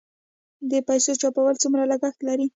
د پیسو چاپول څومره لګښت لري؟